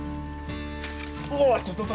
おっととと！